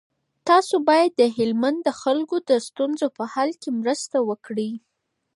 تاسو باید د هلمند د خلکو د ستونزو په حل کي مرسته وکړئ.